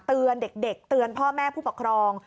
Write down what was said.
เด็กเตือนพ่อแม่ผู้ปกครอง